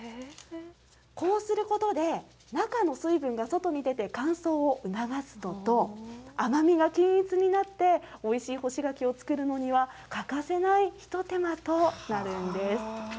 こうすることで、中の水分が外に出て、乾燥を促すのと、甘みが均一になって、おいしい干し柿を作るのには欠かせない一手間となるんです。